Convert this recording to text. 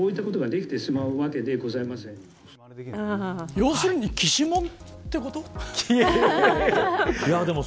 要するに、きしモンってこと。